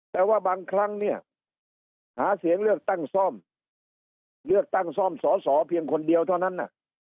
แต่ว่าบางครั้งเนี่ยหาเสียงเลือกตั้งซ่อมเลือกตั้งซ่อมสอสอเพียงคนเดียวเท่านั้น